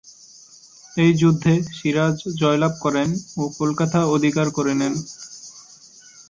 এই যুদ্ধে সিরাজ জয়লাভ করেন ও কলকাতা অধিকার করে নেন।